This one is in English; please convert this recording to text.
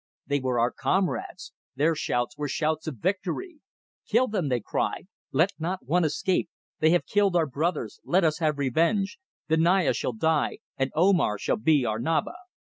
They were our comrades. Their shouts were shouts of victory! "Kill them!" they cried. "Let not one escape. They have killed our brothers; let us have revenge! The Naya shall die, and Omar shall be our Naba!"